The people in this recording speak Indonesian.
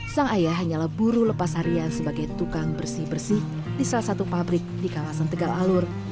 sang ayah hanyalah buru lepas harian sebagai tukang bersih bersih di salah satu pabrik di kawasan tegal alur